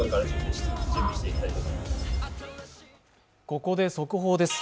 ここで速報です。